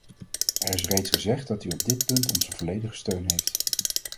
Er is reeds gezegd dat u op dit punt onze volledige steun heeft.